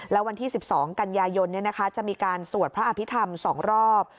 แล้ววันที่๑๒กันยายนจะมีการสวดพระอภิษฐรรม๒รอบ